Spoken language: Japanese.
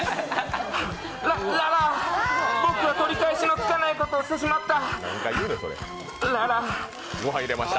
ララァ、僕は取り返しのつかないことをしてしまった。